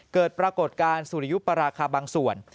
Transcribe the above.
เกิดปรากฏการณ์สุริยุปราคาบางส่วน